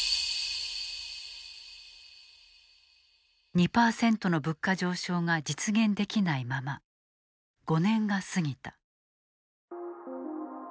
２％の物価上昇が実現できないまま５年が過ぎた。